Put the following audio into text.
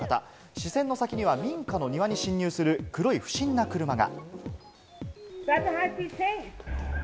視線の先には民家の庭に侵入する黒い不審な車が。